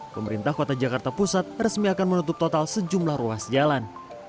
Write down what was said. pemerintah kota jakarta pusat resmi akan menutup total sejumlah ruas jalan